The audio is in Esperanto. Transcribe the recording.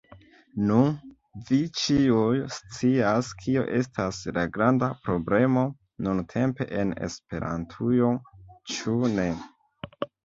Nu, vi ĉiuj scias kio estas la granda problemo nuntempe en Esperantujo, ĉu ne?